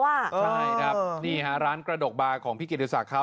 ใช่ครับนี่ฮะร้านกระดกบาร์ของพี่กิติศักดิ์